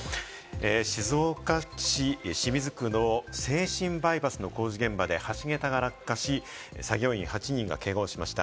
静岡市清水区の静清バイパスの工事現場で橋げたが落下し、作業員８人がけがをしました。